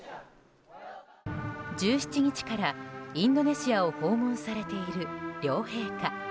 １７日からインドネシアを訪問されている両陛下。